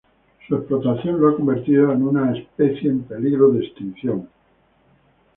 Su explotación lo ha convertido en una especies en peligro de extinción.